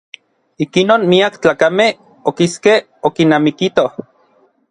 Ikinon miak tlakamej okiskej okinamikitoj.